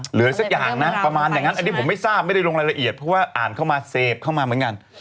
หรือสักอย่างนะประมาณอย่างนั้นอันนี้ผมไม่ทราบไม่ได้ลงรายละเอียดเพราะว่าอ่านเข้ามาเสพเข้ามาเหมือนกัน